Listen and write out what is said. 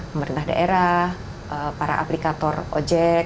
pemerintah daerah para aplikator ojek